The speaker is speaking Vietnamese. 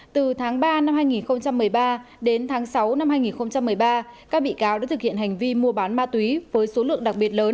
từ tháng ba năm hai nghìn một mươi ba đến tháng sáu năm hai nghìn một mươi ba các bị cáo đã thực hiện hành vi mua bán ma túy với số lượng đặc biệt lớn